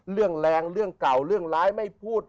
แรงเรื่องเก่าเรื่องร้ายไม่พูด